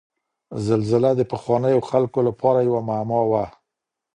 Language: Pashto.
زلزله د پخوانیو خلګو لپاره یوه معما وه.